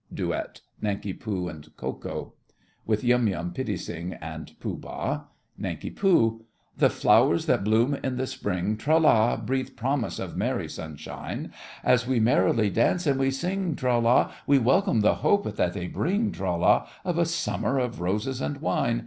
DUET—NANKI POO and KO KO. (With YUM YUM, PITTI SING, and POOH BAH.) NANK. The flowers that bloom in the spring, Tra la, Breathe promise of merry sunshine— As we merrily dance and we sing, Tra la, We welcome the hope that they bring, Tra la, Of a summer of roses and wine.